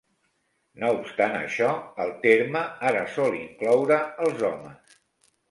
No obstant això, el terme ara sol incloure els homes.